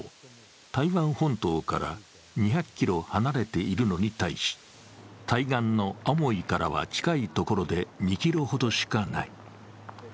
台湾本島から２００ｋｍ離れているのに対し、対岸のアモイからは近いところで２ｋｍほどしかない。